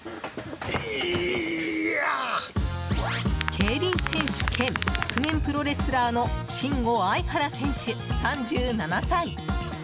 競輪選手兼覆面プロレスラーのシンゴ・相原選手、３７歳。